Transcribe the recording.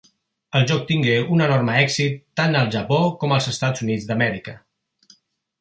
El joc tingué un enorme èxit tant al Japó com als Estats Units d'Amèrica.